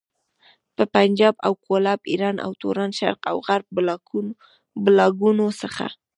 د پنجاب او کولاب، ايران او توران، شرق او غرب بلاګانو څخه.